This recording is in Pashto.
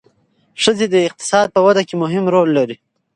ښځې د اقتصاد په وده کې مهم رول لري.